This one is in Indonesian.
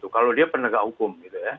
kalau dia pendekat hukum